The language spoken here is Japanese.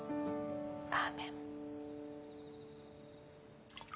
アーメン。